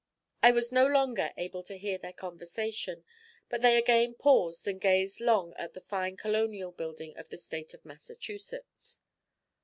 I was no longer able to hear their conversation, but they again paused and gazed long at the fine colonial building of the State of Massachusetts.